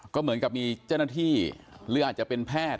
ก็เหมือนกับมีเจ้าหน้าที่หรืออาจจะเป็นแพทย์